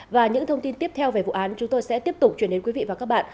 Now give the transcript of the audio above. và những thông tin tiếp theo về vụ án chúng tôi sẽ tiếp tục chuyển đến quý vị và các bạn